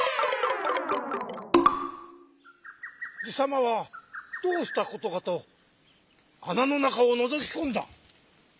じさまはどうしたことかとあなのなかをのぞきこんだ。